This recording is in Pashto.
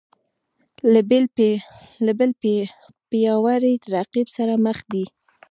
له بل پیاوړي رقیب سره مخ دی